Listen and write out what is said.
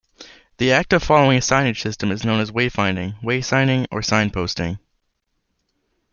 The act of following a signage system is known as wayfinding, waysigning or signposting.